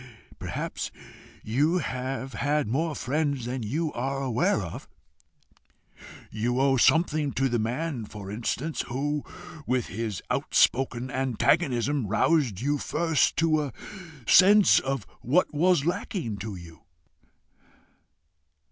"Perhaps you have had more friends than you are aware of. You owe something to the man, for instance, who, with his outspoken antagonism, roused you first to a sense of what was lacking to you."